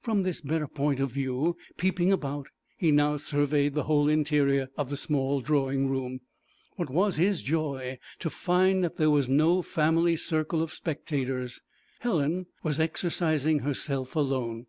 From this better point of view, peeping about, he now surveyed the whole interior of the small drawing room. What was his joy to find that there was no family circle of spectators; Helen was exercising herself alone!